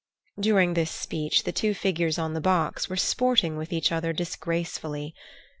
During this speech the two figures on the box were sporting with each other disgracefully.